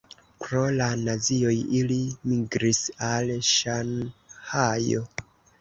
Pro la nazioj ili migris al Ŝanhajo.